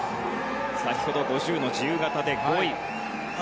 先ほど５０の自由形で５位。